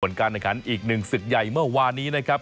ผลการรายการอีกหนึ่งศึกใหญ่เมื่อวานนี้นะครับ